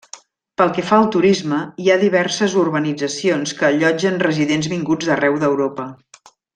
Pel que fa al turisme, hi ha diverses urbanitzacions que allotgen residents vinguts d'arreu d'Europa.